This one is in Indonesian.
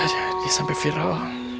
jangan sampai viral